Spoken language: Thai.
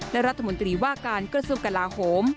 และรัฐมนตรีว่าการกระทรวงกลาโหม